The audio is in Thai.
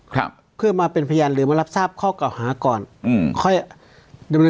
ครับเพื่อมาเป็นพยานหรือมารับทราบข้อเก่าหาก่อนอืม